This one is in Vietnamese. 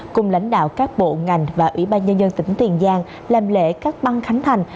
cùng lãnh đạo các bộ ngành và ủy ban nhân dân tỉnh tiền giang làm lễ các băng khánh thành